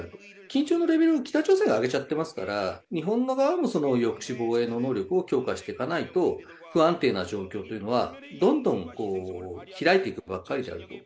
緊張のレベルを北朝鮮が上げちゃってますから、日本の側も抑止防衛の能力を強化してかないと、不安定な状況というのは、どんどん開いていくばっかりじゃないかと。